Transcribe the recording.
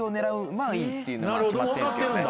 まぁいいっていうのは決まってんですけどね。